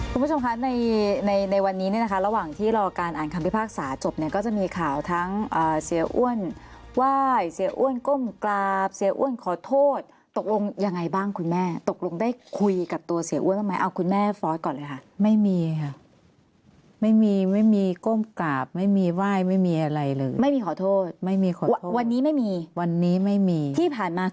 คุณผู้ชมคะในในวันนี้เนี่ยนะคะระหว่างที่รอการอ่านคำพิพากษาจบเนี่ยก็จะมีข่าวทั้งเสียอ้วนไหว้เสียอ้วนก้มกราบเสียอ้วนขอโทษตกลงยังไงบ้างคุณแม่ตกลงได้คุยกับตัวเสียอ้วนบ้างไหมเอาคุณแม่ฟอสก่อนเลยค่ะไม่มีค่ะไม่มีไม่มีก้มกราบไม่มีไหว้ไม่มีอะไรเลยไม่มีขอโทษไม่มีคนวันนี้ไม่มีวันนี้ไม่มีที่ผ่านมา